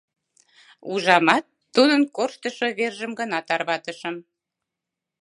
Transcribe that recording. Ужамат, тудын корштышо вержым гына тарватышым.